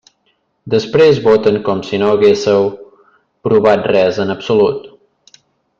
Després voten com si no haguésseu provat res en absolut.